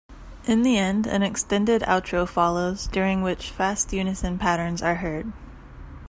In the end, an extended outro follows, during which fast unison patterns are heard.